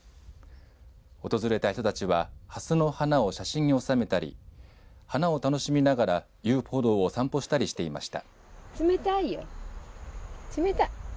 訪れた人たちはハスの花を写真に収めたり花を楽しみながら遊歩道を￥散歩したりしていました。